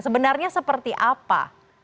sebenarnya seperti apa